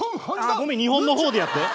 ごめん日本の方でやって。